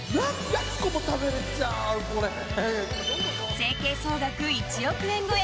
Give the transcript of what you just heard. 整形総額１億円超え